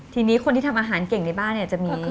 ทีนี้คนที่ทำอาหารเก่งในบ้านเนี่ยจะมี